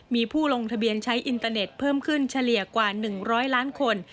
มีผู้ลงทะเบียนใช้อินเตอร์เน็ตเพิ่มขึ้นเฉลี่ยกว่า๑๐๐ล้านคน